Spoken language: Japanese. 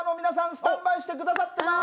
スタンバイして下さってます。